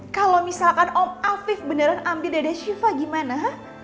kalau misalkan om afif beneran ambil dada shiva gimana